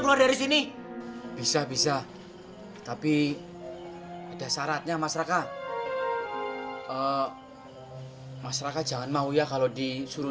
keluar dari sini bisa bisa tapi ada syaratnya mas raka mas raka jangan mau ya kalau disuruh